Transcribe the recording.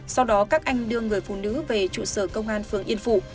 sau đó các anh đưa người phụ nữ về trụ sở công an phường yên phụ